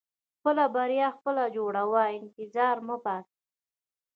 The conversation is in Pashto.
• خپله بریا خپله جوړوه، انتظار مه باسې.